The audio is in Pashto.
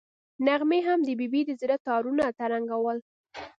نغمې هم د ببۍ د زړه تارونه ترنګول.